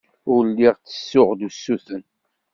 Ur lliɣ ttessuɣ-d usuten.